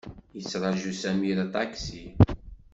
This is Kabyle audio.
Yettṛaju Sami aṭaksi.